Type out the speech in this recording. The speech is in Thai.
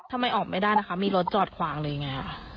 ทำไมออกไม่ได้นะคะมีรถจอดขวางอะไรยังไงอ่ะ